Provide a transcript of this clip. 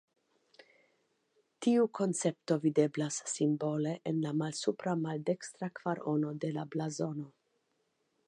Tiu koncepto videblas simbole en la malsupra maldekstra kvarono de la blazono.